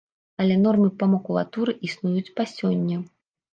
Але нормы па макулатуры існуюць па сёння.